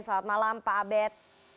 selamat malam pak abed